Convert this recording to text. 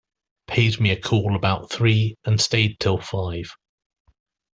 Paid me a call about three and stayed till five.